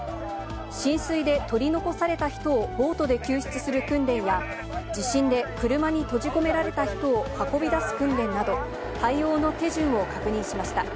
浸水で取り残された人をボートで救出する訓練や、地震で車に閉じ込められた人を運び出す訓練など、対応の手順を確認しました。